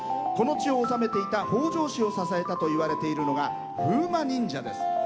この地を治めていた北条氏を支えていたといわれているのが風魔忍者です。